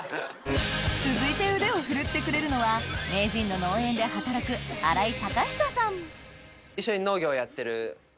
続いて腕を振るってくれるのは名人の農園で働く一緒に農業やってる。